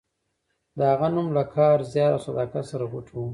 د هغه نوم له کار، زیار او صداقت سره غوټه و.